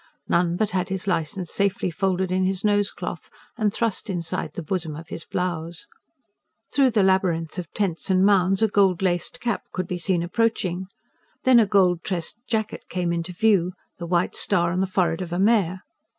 None but had his licence safely folded in his nosecloth, and thrust inside the bosom of his blouse. Through the labyrinth of tents and mounds, a gold laced cap could be seen approaching; then a gold tressed jacket came into view, the white star on the forehead of a mare.